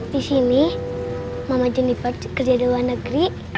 disini mama jennifer kerja di luar negeri